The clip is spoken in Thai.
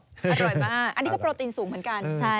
อร่อยมากอันนี้ก็โปรตีนสูงเหมือนกัน